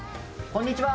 こんにちは。